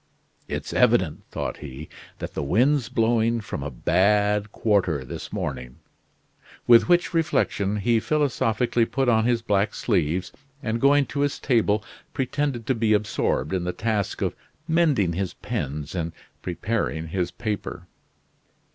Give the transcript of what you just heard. "It's evident," thought he, "that the wind's blowing from a bad quarter this morning," with which reflection he philosophically put on his black sleeves and going to his table pretended to be absorbed in the task of mending his pens and preparing his paper.